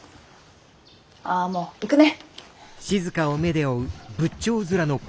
あもう行くね！